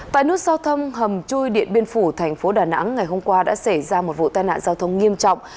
tại nút sau thâm hầm chui điện biên phủ tp đà nẵng ngày hôm qua đã xảy ra một vụ tai nạn giao thông nghiêm trọng